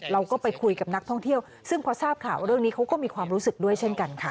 เราก็ไปคุยกับนักท่องเที่ยวซึ่งพอทราบข่าวเรื่องนี้เขาก็มีความรู้สึกด้วยเช่นกันค่ะ